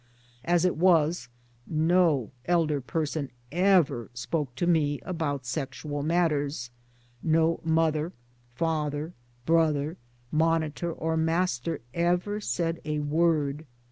As it was, no elder person ever spoke to me about sexual matters no mother, father, brother, monitor or master ever said a word.